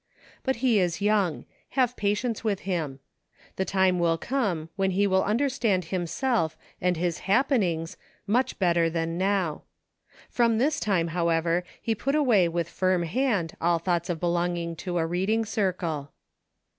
But he is young ; have patience with him. The time will come when he will un derstand himself and his "happenings" much better than now. From this time, however, he put away with firm hand all thoughts of belonging to a reading circle.